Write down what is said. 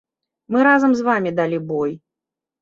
Мы разам з вамі далі бой.